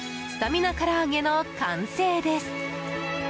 スタミナからあげの完成です。